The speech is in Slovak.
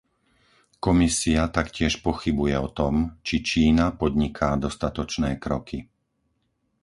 Komisia taktiež pochybuje o tom, či Čína podniká dostatočné kroky.